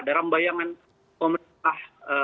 dalam bayangan pemerintah